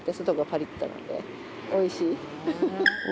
おいしい。